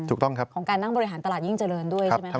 ถูกต้องครับของการนั่งบริหารตลาดยิ่งเจริญด้วยใช่ไหมครับ